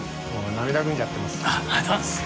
涙ぐんじゃってます。